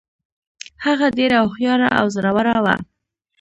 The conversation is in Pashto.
هغه ډیره هوښیاره او زړوره وه.